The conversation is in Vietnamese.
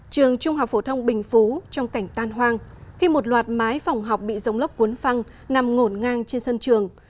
trường trung học phổ thông bình phú trong cảnh tan hoang khi một loạt mái phòng học bị rông lốc cuốn phăng nằm ngổn ngang trên sân trường